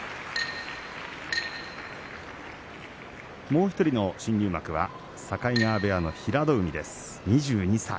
もう１人の新入幕は境川部屋の平戸海です２２歳。